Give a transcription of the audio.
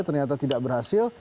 ternyata tidak berhasil